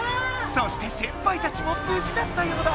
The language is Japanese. そして先輩たちもぶじだったようだ。